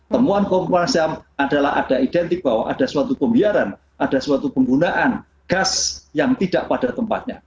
temuan kompolnas ham adalah ada identik bahwa ada suatu pembiaran ada suatu penggunaan gas yang tidak pada tempatnya